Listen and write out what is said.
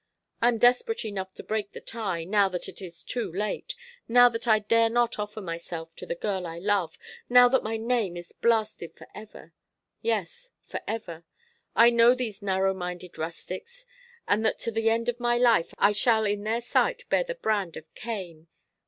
I am desperate enough to break the tie, now that it is too late, now that I dare not offer myself to the girl I love, now that my name is blasted for ever. Yes, for ever. I know these narrow minded rustics, and that to the end of my life I shall in their sight bear the brand of Cain.